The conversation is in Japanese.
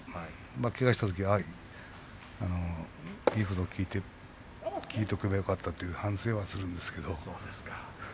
けがをしたときは言うことを聞いておけばよかったと反省をするんですけど。